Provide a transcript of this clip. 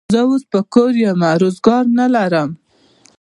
زه اوس په کور یمه، روزګار نه لرم.